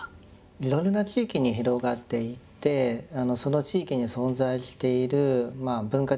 いろいろな地域に広がっていってその地域に存在している文化的な伝統とかですね